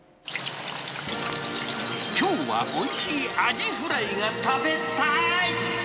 きょうはおいしいアジフライが食べたーい！